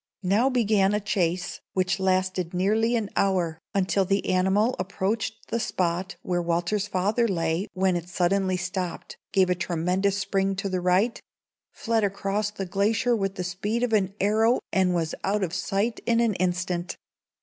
Now began a chase, which lasted nearly an hour, until the animal approached the spot where Walter's father lay, when it suddenly stopped, gave a tremendous spring to the right, fled across the glacier with the speed of an arrow, and was out of sight in an instant.